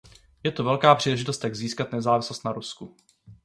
Je to velká příležitost jak získat nezávislost na Rusku.